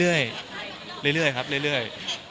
เรื่อยเรื่อยครับเรื่อย